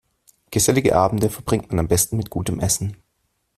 Gesellige Abende verbringt man am besten mit gutem Essen.